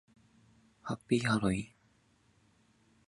ハッピーハロウィン